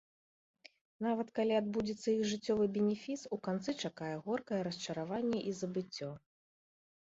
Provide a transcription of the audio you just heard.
Нават калі адбудзецца іх жыццёвы бенефіс, у канцы чакае горкае расчараванне і забыццё.